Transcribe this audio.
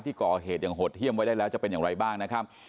ก่อเหตุอย่างโหดเยี่ยมไว้ได้แล้วจะเป็นอย่างไรบ้างนะครับ